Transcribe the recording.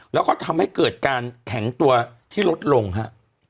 แล้วก็ทำให้เกิดการแข็งตัวที่ลดลงฮะ